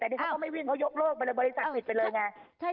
แต่ที่เค้าก็ไม่วิ่งเค้ายกโรคไปบริษัทผิดไปเลยไง